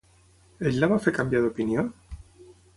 Ell la va fer canviar d'opinió?